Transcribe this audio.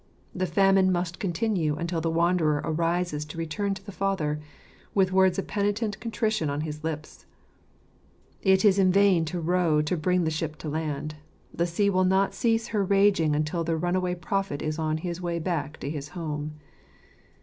The famine must continue until the wanderer arises to return to the Father, with words of penitent contrition on his lips. It is in vain to row to bring the ship to land :, the sea will not cease her raging until the runaway prophet is on his way back to his home.